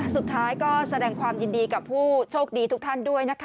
สุดท้ายก็แสดงความยินดีกับผู้โชคดีทุกท่านด้วยนะคะ